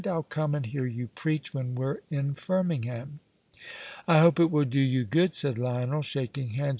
"I'll come and hear you preach when we're in Firmingham." "I hope it will do you good," said Lionel, shaking hands.